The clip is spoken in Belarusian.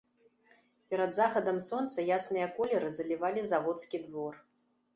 Перад захадам сонца ясныя колеры залівалі заводскі двор.